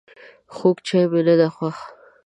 خوږ چای مي نده خوښ